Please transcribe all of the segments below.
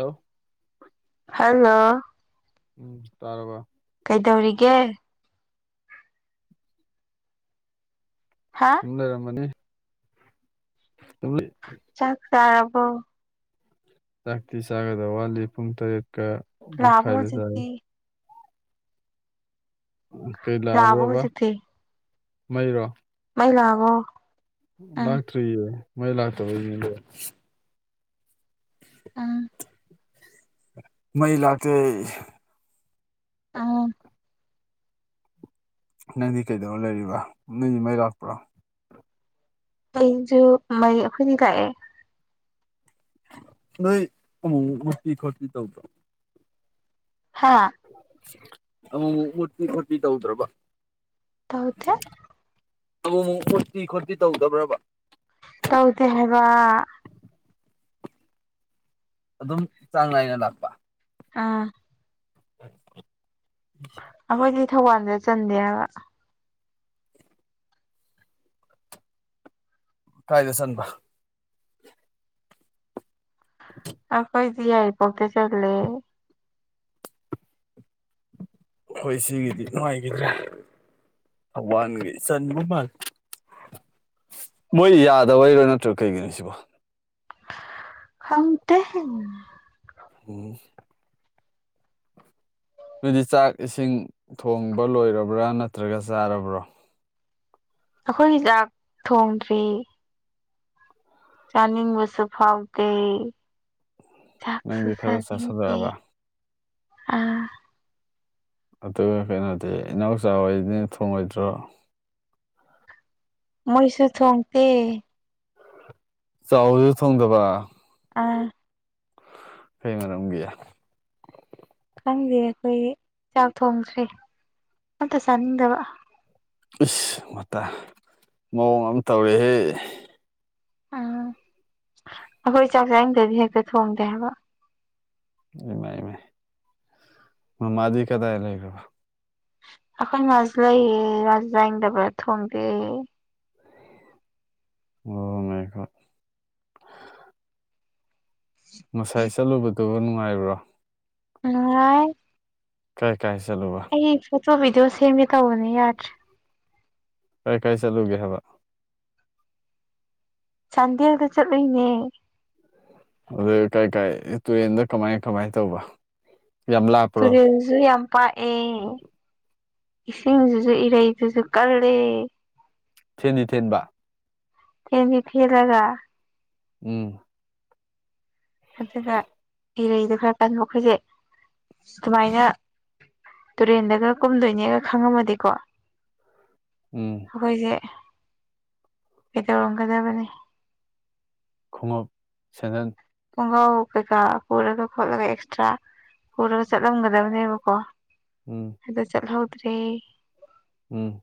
Hello hello ꯎꯝ ꯇꯥꯔꯕ ꯀꯩꯗꯧꯔꯤꯒꯦ ꯍꯥ ꯂꯩꯔꯝꯃꯅꯤ ꯇ ꯆꯥꯛ ꯆꯥꯔꯔꯕꯣ ꯆꯥꯛꯇꯤ ꯆꯥꯒꯗꯕ ꯋꯥꯠꯂꯤ ꯄꯨꯡ ꯇꯔꯦꯠꯀ ꯂꯥꯛꯑꯕꯣ ꯃꯈꯥꯏꯗ ꯆꯥ ꯍꯧꯖꯤꯛꯇꯤ ꯀꯩ ꯂꯥꯛꯑꯕꯣ ꯂꯥꯛꯑꯕ꯭ꯔꯕ ꯍꯧꯖꯤꯛꯇꯤ ꯃꯩꯔꯣ ꯃꯥꯏ ꯂꯕꯣ ꯂꯥꯛꯇ꯭ꯔꯤꯌꯦ ꯃꯩ ꯂꯥꯛꯇꯕꯅꯦ ꯑꯥ ꯃꯩ ꯂꯥꯛꯇꯦ ꯑꯥ ꯅꯪꯗꯤ ꯀꯩꯗꯧꯔ ꯂꯩꯔꯤꯕ ꯅꯪꯗꯤ ꯃꯩ ꯂꯥꯛꯄ꯭ꯔꯣ ꯑꯩꯁꯨ ꯃꯩ ꯑꯩꯈꯣꯏꯗꯤ ꯂꯥꯛꯑꯦ ꯅ ꯀꯃ ꯃꯣꯇꯤ ꯈꯣꯇꯤ ꯇꯧꯗ ꯍꯥꯥ ꯑꯃꯨꯛꯃꯨꯛ ꯃꯨꯠꯄꯤ ꯈꯣꯠꯄꯤ ꯇꯧꯗ꯭ꯔꯕ ꯇꯧꯗꯦ ꯑꯗꯨ ꯑꯃꯨꯛ ꯍꯣꯠꯇꯤ ꯈꯣꯠꯇꯤ ꯇꯧꯗꯕ꯭ꯔꯕ ꯇꯧꯗ ꯍꯥꯏꯕ ꯑꯗꯨꯝ ꯆꯥꯡ ꯅꯥꯏꯅ ꯂꯥꯛꯄ ꯑꯥ [unintelligible] ꯑꯩꯈꯣꯏꯗꯤ ꯊꯧꯕꯥꯜꯗ ꯆꯟꯗꯦꯕ ꯀꯥꯏꯗ ꯆꯟꯕ [unintelligible] ꯑ ꯀꯩꯁꯤ ꯍꯥꯏ ꯄꯠꯇꯦ ꯆꯠꯦ ꯍꯣꯏ ꯁꯤꯒꯤꯗꯤ ꯅꯨꯡꯉꯥꯏꯈꯤꯗ꯭ꯔꯦ ꯊꯧꯕꯥꯟꯒꯤ ꯆꯟ ꯃ ꯃꯣꯏ ꯌꯥꯗꯕ ꯕꯩꯔꯣ ꯅꯠꯇ꯭ꯔ ꯀꯩꯒꯤꯅꯣ ꯁꯤꯕꯣ ꯍꯪꯇꯦ ꯑꯝ ꯅ‌ꯣꯏꯗꯤ ꯆꯥꯛ ꯏꯁꯤꯡ ꯊꯣꯡꯕ ꯂꯣꯏꯔꯕ꯭ꯔꯥ ꯅꯠꯇ꯭ꯔꯒ ꯆꯥꯔꯕ꯭ꯔꯣ ꯑꯩꯈꯣꯏꯒꯤ ꯆꯥꯛ ꯊꯣꯡꯗ꯭ꯔꯤ ꯆꯥꯅꯤꯡꯕꯁꯨ ꯐꯥꯎꯗꯦ ꯆꯥꯛ ꯁꯨ ꯅꯪꯗꯤ ꯈꯔ ꯆꯥꯅꯤꯡꯇ‌ꯦ ꯆꯥꯁꯤꯜꯂꯛꯑꯕ ꯑ ꯑꯗꯨꯒ ꯀꯩꯅꯣꯗꯤ ꯏꯅꯥꯎꯆꯥ ꯑꯣꯏꯅ ꯊꯣꯡꯉꯣꯏꯗ꯭ꯔꯣ ꯃꯣꯏꯁꯨ ꯊꯣꯡꯇꯦ ꯆꯥꯎꯕꯖꯨ ꯊꯣꯡꯗꯕ ꯑꯥ ꯀꯩ ꯃꯔꯝꯒꯤ ꯈꯪꯗꯦ ꯑꯩꯈꯣꯏ ꯆꯥꯛ ꯊꯣꯡꯁ꯭ꯔꯦ ꯑꯝꯇ ꯆꯥꯅꯤꯡꯗꯕ ꯏꯁꯁ ꯃꯇ ꯃꯑꯣꯡ ꯑꯃ ꯇꯧꯔꯦꯍꯦ ꯎꯝ ꯑꯈꯣꯏ ꯆꯥꯛ ꯆꯥꯅꯤꯡꯗꯗꯤ ꯍꯦꯛꯇ ꯊꯣꯡꯗꯦ ꯍꯥꯏꯕ ꯏꯃꯥꯏ ꯏꯃꯥꯏ ꯃꯃꯥꯗꯤ ꯀꯗꯥꯏ ꯂꯩꯒ꯭ꯔꯕ ꯑꯩꯈꯣꯏ ꯃꯁꯨ ꯂꯩꯌꯦ ꯉꯁ ꯌꯥꯥꯏꯗꯕ꯭ꯔꯥ ꯊꯣꯡꯗꯦ ꯑꯣ ꯃꯥꯏ ꯒ‌ꯣꯗ [unintelligible] ꯉꯁꯥꯏ ꯆꯠꯂꯨꯕꯗꯨ ꯅꯨꯡꯉꯥꯏꯕ꯭ꯔꯣ [unintelligible] ꯀꯥꯏ ꯀꯥꯏ ꯆꯠꯂꯨꯕ ꯐꯣꯇꯣ ꯕꯤꯗꯤꯑꯣ ꯁꯦꯝꯃꯤ ꯇꯧꯕꯅꯦ ꯌꯥꯗ꯭ꯔꯦ ꯀꯥꯏ ꯀꯥꯏ ꯆꯠꯂꯨꯒꯦ ꯍꯥꯏꯕ ꯆꯥꯟꯗ‌ꯦꯜ ꯗ ꯆꯠꯂꯨꯏ ꯅ‌ꯦ ꯑꯗꯨ ꯀꯥꯏ ꯀꯥꯏ ꯇꯨꯔꯦꯟꯗ ꯀꯃꯥꯏ ꯀꯃꯥꯏꯅ ꯇꯧꯕ ꯌꯥꯝ ꯂꯥꯞ ꯇꯨꯔꯦꯜꯁꯨ ꯌꯥꯝ ꯄꯥꯛꯑꯦ ꯏꯁꯤꯡꯗꯨꯖꯨ‌ ꯏꯔꯩꯗꯨꯖꯨ ꯀꯜꯂꯦ ꯊꯦꯟꯗꯤ ꯊꯦꯟꯕ ꯊ‌ꯦꯟꯗꯤ ꯊ‌‍ꯦꯜꯂꯒ ꯎꯝ ꯑꯗꯨꯒ ꯏꯔꯩꯗ ꯈꯔ ꯀꯟꯕ ꯑꯩꯈꯣꯏꯁꯦ ꯀꯃꯥꯏꯅ ꯇꯨꯔꯦꯟꯗꯒ ꯀꯨꯝꯗꯣꯏꯅꯦꯒ ꯈꯪꯉꯝꯃꯗꯤꯀꯣ ꯎꯝ ꯑꯩꯈꯣꯏꯁꯦ ꯀꯩꯗꯧꯔꯝꯒꯗꯕꯅꯤ ꯈꯣꯡꯎꯞ ꯁꯦꯟꯗꯟ ꯈꯣꯡꯒ꯭ꯔꯥꯎ ꯀꯩꯀꯥ ꯄꯨꯔꯒ ꯈꯣꯠꯂꯒ ꯑꯦꯛꯁꯇ꯭ꯔꯥ ꯄꯨꯔꯒ ꯆꯠꯂꯝꯒꯗꯕꯅꯦꯕꯀꯣ ꯎꯝ ꯑꯗ ꯆꯠꯍꯧꯗ꯭ꯔꯦ ꯎꯝ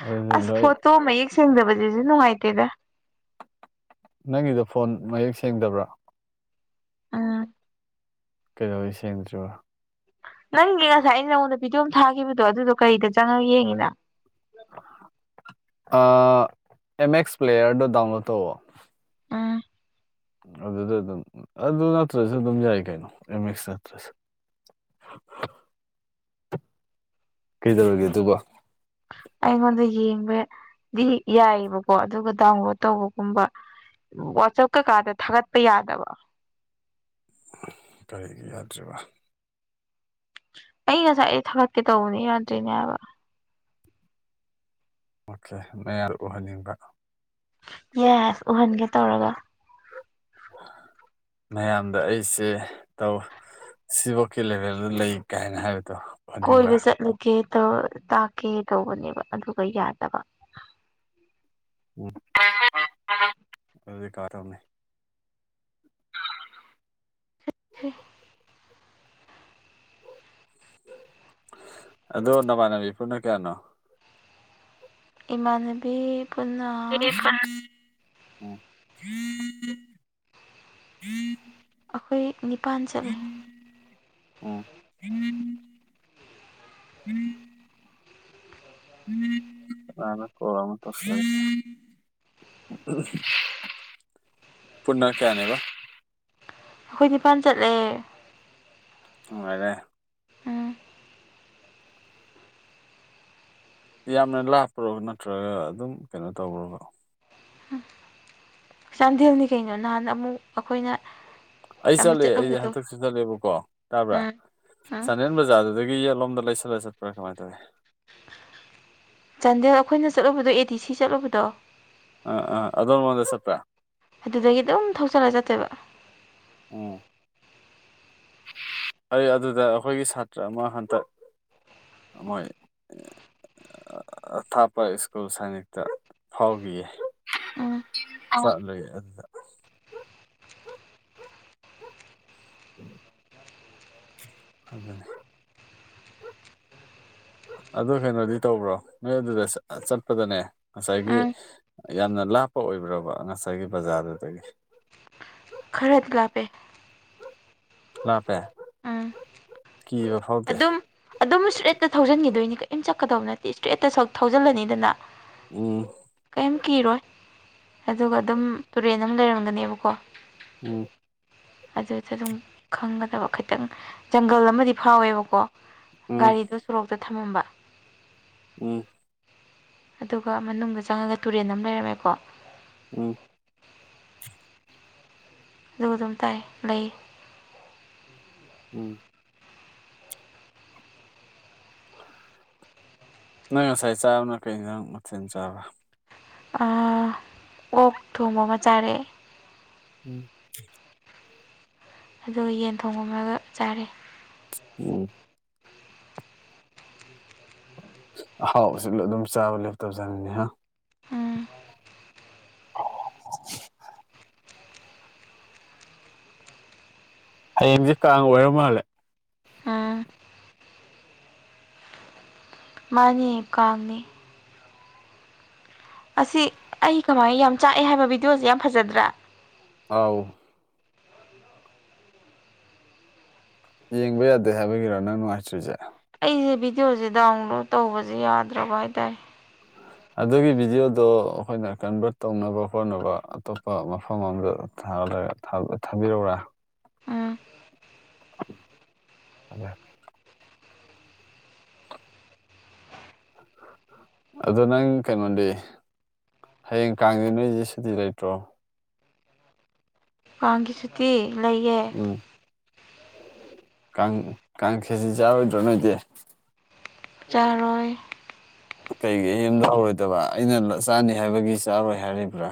ꯑꯗꯨꯗꯤ ꯑꯁ ꯂꯣꯏ ꯐꯣꯇꯣ ꯃꯌꯦꯛ ꯁꯦꯡꯗꯕꯁꯤꯁꯨ ꯅꯨꯡꯉꯥꯏꯇꯦꯗ ꯅꯪꯒꯤꯗꯣ ꯐꯣꯟ ꯃꯌꯦꯛ ꯁꯦꯡꯗꯕ꯭ꯔꯥ ꯑꯝ ꯀꯩꯗꯧꯕꯩ ꯁꯦꯡꯗ꯭ꯔꯤꯕ ꯅꯪꯒꯤ ꯉꯁꯥꯏ ꯑꯩꯅ ꯅꯉꯣꯟꯗ ꯕꯤꯗꯤꯌ‌ꯣ ꯑꯃ ꯊꯥꯈꯤꯕꯗꯣ ꯑꯗꯨꯗꯣ ꯀꯔꯤꯗ ꯆꯪꯉꯒ ꯌꯦꯡꯉꯤꯅ ꯑ ꯑꯦꯝ ꯑꯦꯛꯁ ꯄ꯭ꯂꯦꯌꯔꯗꯣ ꯗꯎꯟꯂꯣꯗ ꯇꯧꯑ‌ꯣ ꯎꯝ ꯑꯗꯨꯗ ꯑꯗꯨꯝ ꯑꯗꯨ ꯅꯠꯇ꯭ꯔꯁꯨ ꯑꯗꯨꯝ ꯌꯥꯏ ꯀꯩꯅꯣ ꯑꯦꯝ ꯑꯦꯁ ꯅꯠꯇ꯭ꯔꯁꯨ [inaudible] ꯀꯩꯗꯧꯔꯒꯦ ꯑꯗꯨꯒ ꯑꯩꯉꯣꯟꯗ ꯌꯦꯡꯕꯗꯤ ꯌꯥꯏꯑꯕꯀꯣ ꯑꯗꯨꯒ ꯗꯥꯎꯟꯂꯣꯗ ꯇꯧꯕꯒꯨꯝꯕ ꯋꯥꯆꯞ ꯀꯩꯀꯥꯗ ꯊꯥꯒꯠꯄ ꯌꯥꯗꯕ ꯀꯔꯤꯒꯤ ꯌꯥꯗ꯭ꯔꯤꯕ ꯑꯩ ꯉꯁꯥꯏꯗꯩꯩ ꯊꯥꯒꯠꯀꯦ ꯇꯧꯕꯅꯦ ꯌꯥꯗꯔ꯭ꯤꯅꯦ ꯍꯥꯏꯕ ꯑꯣꯀꯦ ꯃꯌꯥ ꯎꯍꯟꯅꯤꯡꯕ ꯌꯦꯁ ꯎꯍꯟꯒꯦ ꯇꯧꯔꯒ ꯃꯌꯥꯝꯗ ꯑꯩꯁꯦ ꯇꯧ ꯁꯤꯐꯧꯀꯤ ꯂꯦꯚꯦꯜꯗ ꯂꯩ ꯀꯥꯏꯅ ꯍꯥꯏꯕꯗꯣ ꯎꯍꯟꯅꯤꯡꯕ ꯀꯣꯏꯕ ꯆꯠꯂꯨꯒꯦ ꯇꯥꯛꯀꯦ ꯇꯧꯕꯅꯦꯕ ꯑꯗꯨꯒ ꯌꯥꯗꯕ ꯑꯗꯨ ꯀꯥꯔꯃꯑꯥꯢ ꯇꯥꯎꯅꯤ꯫ [unintelligible] ꯑꯗꯣ ꯅꯃꯥꯟꯅꯕꯤ ꯄꯨꯅ ꯀꯌꯥꯅꯣ ꯏꯃꯥꯟꯅꯕꯤ ꯄꯨꯟꯅ [inaudible] ꯑꯩꯈꯣꯏ ꯅꯤꯄꯥꯟ ꯆꯠꯂꯤ [inaudible] [unintelligible] ꯄꯨꯟꯅ ꯀꯌꯥꯅꯦꯕ ꯑꯩꯈꯣꯏ ꯅꯤꯄꯥꯟ ꯆꯠꯂꯦ꯫ ꯅꯨꯪꯉꯥꯏꯔꯦ꯫ ꯎꯝ ꯌꯥꯝꯅ ꯂꯥꯞꯄ꯭ꯔꯣ ꯅꯠꯇ꯭ꯔꯒ ꯑꯗꯨꯝ ꯀꯩꯅꯣ ꯇꯧꯕ꯭ꯔꯣꯕ ꯆꯥꯟꯗꯦꯜꯅꯤ ꯀꯩꯅꯣ ꯅꯍꯥꯟ ꯑꯃꯨꯛ ꯑꯩꯈꯣꯏꯅ ꯑꯩ ꯌꯥꯝꯅ ꯆꯠꯂꯦ ꯑꯩꯁꯦ ꯆꯠꯂꯨꯕꯗꯣ ꯍꯟꯗꯛꯁꯨ ꯆꯠꯂꯦꯕꯀꯣ ꯇꯥꯕ꯭ꯔꯥ ꯎꯝ ꯎꯝ ꯆꯥꯟꯗꯦꯜ ꯕꯖꯥꯔꯗꯨꯗꯒꯤ ꯌꯦꯠꯂꯣꯝꯗ ꯂꯩꯁꯜꯂ ꯆꯠꯄ꯭ꯔꯥ ꯀꯃꯥꯏꯅ ꯇꯧꯏꯤ ꯆꯥꯟꯗꯦꯜ ꯑꯩꯈꯣꯏꯅ ꯆꯠꯂꯨꯕꯗꯣ ꯑꯦ ꯗꯤ ꯁꯤ ꯆꯠꯂꯨꯕꯗꯣ ꯑ ꯑ ꯑꯗꯣꯝ ꯂꯣꯝꯗ ꯆꯠꯄꯔꯥ ꯑꯗꯨꯗꯒꯤ ꯑꯗꯨꯝ ꯊꯣꯛꯧꯆꯜꯂꯒ ꯆꯠꯇꯧꯕ ꯎꯝ [inaudible] ꯑꯩ ꯑꯗꯨꯗ ꯑꯩꯈꯣꯏꯒꯤ ꯁꯥꯇ꯭ꯔ ꯑꯃ ꯍꯟꯇꯛ ꯍꯣꯏ ꯑꯊꯥꯞꯄ ꯁ꯭ꯀꯨꯜ ꯁꯅꯤꯛꯇ ꯐꯥꯎꯕꯤꯌꯦ꯫ ꯎꯝ ꯆꯇꯂꯦ ꯑꯗꯨ [inaudible] [inaudible] ꯑꯗꯨ ꯀꯩꯅꯣꯗꯤ ꯇꯧꯕ꯭ꯔꯣ ꯅꯣꯏ ꯑꯗꯨꯗ ꯆꯠꯄꯗꯅꯦ ꯉꯁꯥꯏꯒꯤ ꯎꯝ ꯌꯥꯝꯅ ꯂꯥꯞꯄ ꯑꯣꯏꯕ꯭ꯔꯕ ꯉꯁꯥꯏꯒꯤ ꯕꯖꯥꯔꯗꯨꯗꯒꯤ ꯈꯔꯗꯤ ꯀꯥꯞꯄꯦ꯫ ꯂꯥꯞꯄꯦ ꯎꯝ ꯀꯤꯕ ꯐꯥꯎꯗꯦ ꯑꯗꯨꯝ ꯑꯗꯨꯝ ꯏꯁꯇ꯭ꯔꯦꯠꯇ ꯊꯧꯖꯤꯟꯈꯤꯗꯣꯏꯅꯤ ꯀꯔꯤꯝ ꯆꯠꯀꯗꯧꯕ ꯅꯠꯇꯦ ꯏꯁꯇ꯭ꯔꯦꯠꯇ ꯊꯧꯖꯤꯜꯂꯅꯤꯗꯅ ꯎꯝ ꯀꯩꯝ ꯀꯤꯔꯣꯏ ꯑꯗꯨꯒ ꯑꯗꯨꯝ ꯇꯨꯔꯦꯟ ꯑꯃ ꯂꯩꯔꯝꯒꯅꯦꯕꯀꯣ ꯎꯝ ꯑꯗꯨꯗ ꯑꯗꯨꯝ ꯈꯪꯒꯗꯕ ꯈꯤꯇꯪ ꯖꯪꯒꯜ ꯑꯃꯗꯤ ꯐꯥꯎꯋꯦꯕꯀꯣ ꯎꯝ ꯒꯥꯔꯤꯗꯨ ꯁꯣꯔꯣꯛꯇ ꯊꯝꯃꯝꯕ ꯎꯝ ꯑꯗꯨꯒ ꯃꯅꯨꯡꯗ ꯆꯪꯉꯒ ꯇꯨꯔꯦꯟ ꯑꯃ ꯂꯩꯔꯝꯃꯦꯀꯣ ꯎꯝ ꯑꯗꯨꯒ ꯑꯗꯨꯝ ꯇꯥꯏ ꯂꯩ꯫ ꯎꯝ ꯅꯪ ꯉꯁꯥꯏ ꯆꯥꯕꯅ ꯀꯩ ꯌꯦꯟꯁꯥꯡ ꯃꯊꯦꯜ ꯆꯥꯕꯥ ꯀꯣꯛ ꯊꯣꯡꯕ ꯑꯃ ꯆꯥꯔꯦꯑꯦ ꯎꯝ ꯑꯗꯨꯒ ꯌꯦꯟ ꯊꯣꯡꯕꯥ ꯑꯃꯒ ꯆꯥꯔꯦ ꯎꯝ ꯑꯍꯥꯎꯕꯁꯨ ꯑꯗꯨꯝ ꯆꯥꯕ ꯂꯦꯞꯇꯕꯖꯥꯠꯅꯤꯅꯦ ꯍꯥ ꯎꯝ [inaudible] ꯍꯌꯦꯡꯁꯦ ꯀꯥꯡ ꯑꯣꯏꯔ ꯃꯥꯜꯂꯦ ꯎꯝ ꯃꯥꯅꯤ ꯀꯥꯡꯅꯤ ꯑꯁꯤ ꯑꯩ ꯀꯃꯥꯏꯅ ꯌꯥꯝ ꯆꯥꯛꯑꯦ ꯍꯥꯏꯕ ꯕꯤꯗꯤꯑꯣꯁꯦ ꯌꯥꯝ ꯐꯖꯗ꯭ꯔꯥ ꯑꯥꯎ ꯌꯦꯡꯕ ꯌꯥꯗꯦ ꯍꯥꯏꯕꯒꯤꯔꯣ ꯅꯪ ꯅꯨꯡꯉꯥꯏꯇ꯭ꯔꯤꯁꯦ ꯑꯩꯁꯦ ꯚꯤꯗꯤꯑꯣꯁꯦ ꯗꯥꯎꯟꯂꯣꯗ ꯇꯧꯕꯁꯦ ꯌꯥꯗ꯭ꯔꯕ ꯍꯥꯏꯇꯥꯔꯦ ꯑꯗꯨꯒꯤ ꯚꯤꯗꯤꯑꯣꯗꯣ ꯑꯩꯈꯣꯏꯅ ꯀꯟꯚꯔꯠ ꯇꯧꯅꯕ ꯍꯣꯠꯅꯕ ꯑꯇꯣꯞꯄ ꯃꯐꯝ ꯑꯗ ꯊꯥꯕ ꯊꯥꯕ ꯊꯥꯕꯤꯔꯛꯎꯔꯥ ꯎꯝ [unintelligible] ꯑꯗꯣ ꯅꯪ ꯀꯩꯅꯣꯗꯤ ꯍꯌꯦꯡ ꯀꯥꯡꯗꯦ ꯅꯣꯏꯁꯦ ꯁꯨꯇꯤ ꯂꯩꯇ꯭ꯔꯣ ꯀꯥꯡꯒꯤ ꯁꯨꯇꯤ ꯂꯩꯌꯦ ꯎꯝ ꯀꯥꯡ ꯀꯥꯡ ꯈꯦꯁꯤ ꯆꯔꯣꯏꯗ꯭ꯔꯣ ꯅꯣꯏꯗꯤ ꯆꯔꯣꯏ ꯀꯩꯒꯤ ꯌꯨꯝꯗ ꯍꯧꯔꯣꯏꯗꯕ ꯑꯩꯅ ꯆꯥꯅꯤ ꯍꯥꯏꯕꯒꯤ ꯆꯥꯔꯣꯏ ꯍꯥꯏꯔꯤꯕ꯭ꯔꯥ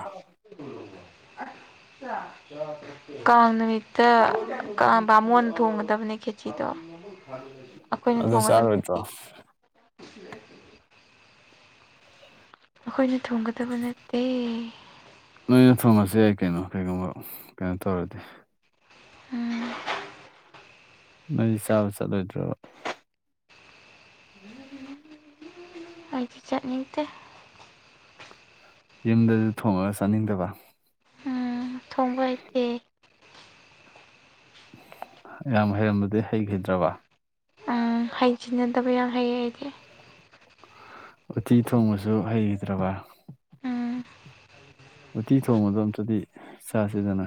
[unintelligible] ꯀꯥꯡ ꯅꯨꯃꯤꯠꯇ ꯀꯥꯡ ꯕꯥꯃꯣꯟ ꯊꯣꯡꯒꯗꯕꯅꯦ ꯈꯦꯆꯤꯗꯣ ꯑꯩꯈꯣꯏꯅ ꯑꯗꯨ ꯊꯣꯡꯒꯗꯕ ꯅꯠꯇꯦ ꯆꯥꯔꯣꯏꯗ꯭ꯔꯣ ꯑꯩꯈꯣꯏꯅ ꯊꯣꯡꯒꯗꯕ ꯅꯠꯇꯦ ꯅꯣꯏꯅ ꯊꯣꯡꯉꯁꯨ ꯌꯥꯏ ꯀꯩꯅꯣ ꯀꯩꯒꯨꯝꯕ ꯀꯩꯅꯣ ꯇꯧꯔꯗꯤ ꯎꯝ ꯅꯣꯏꯗꯤ ꯆꯥꯕ ꯆꯠꯂꯣꯏꯗ꯭ꯔꫭ ꯑꯩꯗꯤ ꯆꯠꯅꯤꯡꯇꯦ ꯌꯨꯝꯗꯁꯨ ꯊꯣꯡꯉꯒ ꯆꯥꯅꯤꯡꯗꯕ ꯎꯝ ꯊꯣꯡꯕ ꯍꯩꯇꯦ ꯌꯥꯝ ꯍꯩꯔꯝꯕꯗꯤ ꯍꯩꯈꯤꯗ꯭ꯔꯕ ꯍꯥꯏꯖꯤꯟꯅꯗꯕ ꯌꯥꯝ ꯍꯩꯌꯦ ꯑꯩꯗꯤ ꯎꯠꯇꯤ ꯊꯣꯡꯕꯁꯨ ꯍꯩꯗ꯭ꯔꯕ ꯎꯝ ꯎꯇꯤ ꯊꯣꯡꯕꯗꯣ ꯑꯝꯇꯗꯤ ꯆꯥꯁꯤꯗꯅ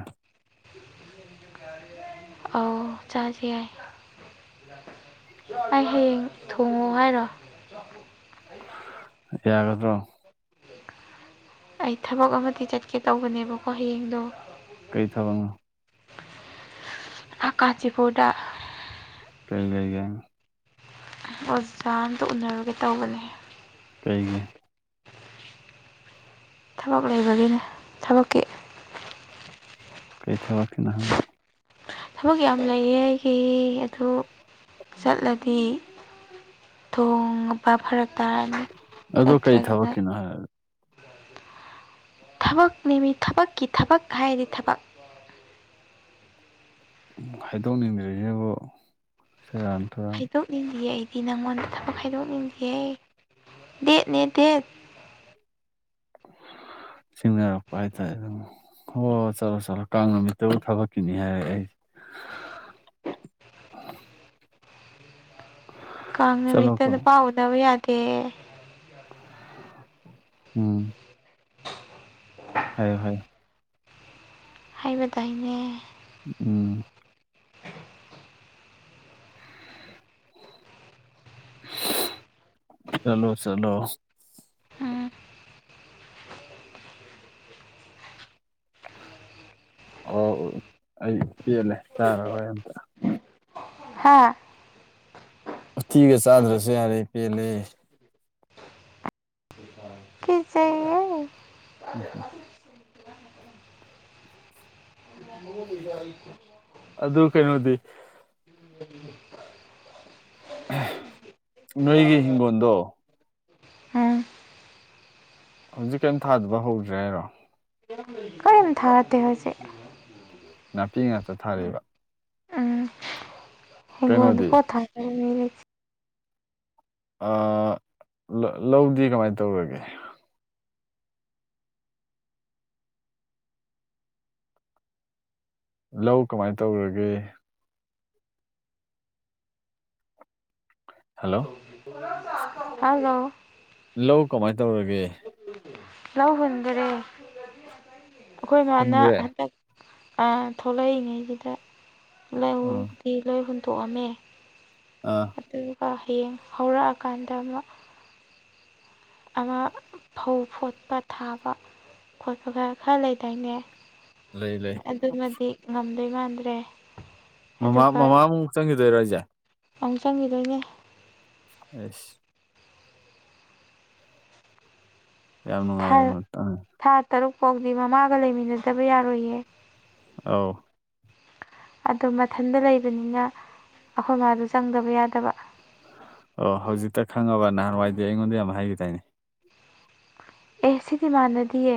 ꯆꯥꯁꯦ ꯌꯥꯏ ꯑꯩ ꯍꯌꯦꯡ ꯊꯣꯡꯉꯣ ꯍꯥꯏꯔꯣ ꯌꯥꯒꯗ꯭ꯔꯣ ꯑꯩ ꯊꯕꯛ ꯑꯃꯗꯤ ꯆꯠꯀꯦ ꯇꯧꯕꯅꯦꯕꯀꯣ ꯍꯌꯦꯡꯗꯣ ꯀꯔꯤ ꯊꯕꯛꯅꯣ ꯑꯥ ꯀꯥꯟꯆꯤꯄꯨꯔꯗ ꯀꯩ ꯂꯩꯒꯦ ꯍꯥꯏꯅꫭ ꯑꯣꯖꯥ ꯑꯝꯇ ꯎꯅꯔꯨꯒꯦ ꯇꯧꯕꯅꯦ ꯀꯩꯒꯤ ꯊꯕꯛ ꯂꯩꯕꯒꯤꯅꯦ ꯊꯕꯛꯀꯤ ꯀꯩ ꯊꯕꯛ ꯀꯤꯅꫭ ꯍꯥꯏꯕ ꯊꯕꯛ ꯌꯥꯝ ꯂꯩꯌꯦ ꯑꯩꯒꯤ ꯑꯗꯨ ꯆꯠꯂꯗꯤ ꯊꯣꯡꯕ ꯐꯔꯛ ꯇꯥꯔꯅꯤ ꯑꯗꫭ ꯀꯩ ꯆꯠꯇ꯭ꯔꯒꯅ ꯊꯕꯛꯀꯤꯅꯣ ꯍꯥꯏ ꯊꯕꯛꯅꯦꯃꯤ ꯊꯕꯛꯀꯤ ꯊꯕꯛ ꯍꯥꯏꯔꯗꯤ ꯊꯕꯛ ꯍꯥꯏꯗꯣꯛꯅꯤꯡꯗꯔꯤꯁꯤꯕꯨ ꯁꯤꯔꯟ ꯇꯨꯔꯟ ꯅꫭꯛꯅꯤꯡꯗꯤꯌꯦ ꯑꯩꯗꯤ ꯅꯪꯉꯣꯟꯗ ꯊꯕꯛ ꯍꯥꯏꯗꯣꯛꯅꯤꯡꯗꯤꯌꯦ ꯗꯦꯠꯅꯦ ꯗꯦꯠ ꯁꯤꯡꯅꯔꯛꯄ ꯍꯥꯏꯇꯥꯔꯦ ꯍꯣꯏ ꯍꯣꯏ ꯆꯠꯂꯣ ꯆꯠꯂꯣ ꯀꯥꯡ ꯅꯨꯃꯤꯠꯇꯕꯨ ꯊꯕꯛꯀꯤꯅꯤ ꯍꯥꯏꯔꯛꯑ ꯀꯥꯡ ꯅꯨꯃꯤꯠꯇ ꯆꯠꯂꯣꯀꯣ ꯅꯨꯄꯥ ꯎꯅꯕ ꯌꯥꯗꯦ ꯎꯝ ꯍꯥꯏꯌꯣ ꯍꯥꯏ ꯍꯥꯏꯕꯗꯥꯏꯅꯦ ꯎꯝ ꯆꯂꯣ ꯆꯂꯣ ꯎꯝ ꯑꯣ ꯑꯩ ꯄꯦꯜꯂꯦ ꯆꯥꯔꯔꯣꯏ ꯑꯝꯇ ꯍꯥꯥ ꯎꯊꯤꯒ ꯆꯥꯗ꯭ꯔꯁꯨ ꯌꯥꯔꯦ ꯄꯦꯜꯂꯦ ꯀꯤꯖꯩꯌꯦ [unintelligible] [unintelligible] ꯑꯗꯨ ꯀꯩꯅꯣꯗꯤ ꯅꯣꯏꯒꯤ ꯍꯤꯡꯒꯣꯟꯗꯣ ꯎꯝ ꯍꯧꯖꯤꯛ ꯀꯩꯝ ꯊꯥꯗꯕ ꯍꯧꯗ꯭ꯔꯦ ꯍꯥꯏꯔꯣ ꯀꯔꯤꯝ ꯊꯥꯗꯦ ꯍꯧꯖꯤꯛ ꯅꯥꯄꯤ ꯉꯥꯛꯇ ꯊꯥꯔꯤꯕ ꯍꯤꯒꯣꯟꯗ ꯀꯩꯅꯣꯗꯤ ꯄꯣꯠ ꯊꯥ [inaudible] ꯑ ꯂ ꯂꯧꯗꯤ ꯀꯃꯥꯏꯅ ꯇꯧꯔꯒꯦ ꯂꯧ ꯀꯃꯥꯏꯅ ꯇꯧꯔꯒꯦ ꯍꯜꯂꯣ ꯍꯜꯂꯣ ꯂꯧ ꯀꯃꯥꯏꯅ ꯇꯧꯔꯒꯦ ꯂꯧ ꯍꯨꯟꯗꯔꯦ ꯑꯩꯈꯣꯏ ꯃꯥꯅ ꯍꯨꯟꯈ꯭ꯔꯦ ꯍꯟꯗꯛ ꯑ ꯊꯣꯛꯂꯛꯏꯉꯩꯗꯨꯗ ꯎꯝ ꯂꯧꯗꯤ ꯂꯣꯏ ꯍꯨꯟꯇꯣꯛꯑꯝꯃꯦ ꯑꯥ ꯑꯗꯨꯒ ꯍꯌꯦꯡ ꯍꯧꯔꯛꯑꯀꯥꯟꯗ ꯑꯃ ꯑꯃ ꯐꯧ ꯐꯣꯠꯄ ꯊꯥꯕ ꯈꯣꯠꯄꯗ ꯈꯔ ꯂꯩꯗꯥꯏꯅꯦ ꯂꯩ ꯂꯩ ꯑꯗꯨꯃꯗꯤ ꯉꯝꯗꯣꯏ ꯃꯥꯟꯗ꯭ꯔꯦ ꯃꯃꯥ ꯑꯗꯨꯒ ꯃꯃꯥꯃꯨꯛ ꯆꯪꯈꯤꯗꯣꯏꯔꯣ ꯍꯥꯏꯖꯦ ꯑꯃꯨꯛ ꯆꯪꯈꯤꯗꯣꯏꯅꯦ ꯑꯁ ꯌꯥꯝ ꯅꯨꯡꯉꯥꯏ ꯊꯥ [unintelligible] ꯊꯥ ꯇꯔꯨꯛ ꯐꯥꯎꯗꯤ ꯃꯃꯥꯒ ꯂꯩꯃꯤꯟꯅꯗꯕ ꯌꯥꯔꯣꯏꯌꯦ ꯑꯥꯎ ꯑꯗꯨ ꯃꯊꯟꯇ ꯂꯩꯕꯅꯤꯅ ꯑꯩꯈꯣꯏ ꯃꯥꯗꯣ ꯆꯪꯗꯕ ꯌꯥꯗꯕ ꯑꯣ ꯍꯧꯖꯤꯛꯇ ꯈꯪꯉꯕ ꯅꯍꯥꯟꯋꯥꯏꯗꯤ ꯑꯩꯉꯣꯟꯗ ꯌꯥꯝ ꯍꯥꯏꯈꯤꯗꯥꯏꯅꯦ ꯑꯦ ꯁꯤꯗꯤ ꯃꯥꯟꯅꯗꯤꯌꯦ